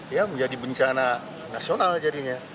ya menjadi bencana nasional jadinya